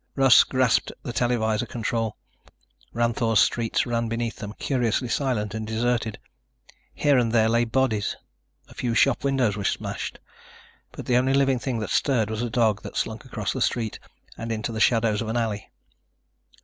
Russ grasped the televisor control. Ranthoor's streets ran beneath them, curiously silent and deserted. Here and there lay bodies. A few shop windows were smashed. But the only living that stirred was a dog that slunk across the street and into the shadows of an alley.